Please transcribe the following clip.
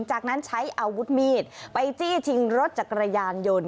จากนั้นใช้อาวุธมีดไปจี้ชิงรถจักรยานยนต์